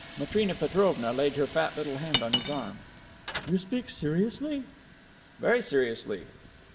Matrena Petrovna laid her fat little hand on his arm: "You speak seriously?" "Very seriously."